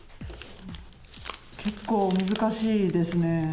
結構難しいですね。